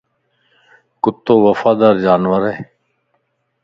ڪُتو وفادار جانور ائي